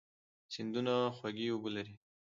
سیندونه خوږې اوبه لري.